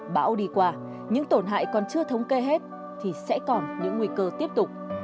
bão đi qua những tổn hại còn chưa thống kê hết thì sẽ còn những nguy cơ tiếp tục